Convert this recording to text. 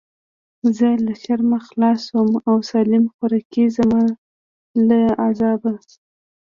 زه له شرمه خلاص سوم او سالم خواركى زما له عذابه.